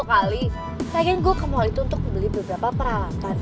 sebenarnya saya ke mall itu untuk beli beberapa peralatan